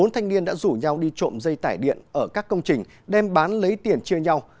bốn thanh niên đã rủ nhau đi trộm dây tải điện ở các công trình đem bán lấy tiền chia nhau